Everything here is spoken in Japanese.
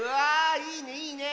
いいねいいねえ！